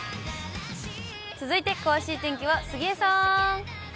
続いて詳しい天気は杉江さん。